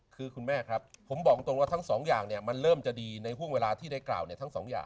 คือคุณแม่ครับผมบอกตรงว่าทั้งสองอย่างเนี่ยมันเริ่มจะดีในห่วงเวลาที่ได้กล่าวเนี่ยทั้งสองอย่าง